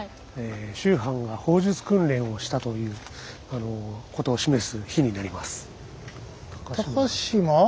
秋帆が砲術訓練をしたということを示す碑になります。